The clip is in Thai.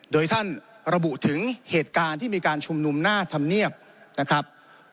โดยท่านระบุถึงเหตุการณ์ที่มีการชุมนุมหน้าธรรมเนียบนะครับ